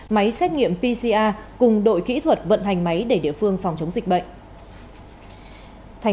máy xét nghiệm pcr cùng đội kỹ thuật vận hành máy để địa phương phòng chống dịch bệnh